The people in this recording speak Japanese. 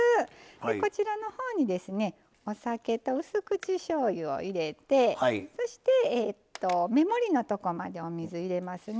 こちらのほうにお酒と、うす口しょうゆを入れてそして、目盛りのところまでお水を入れますね。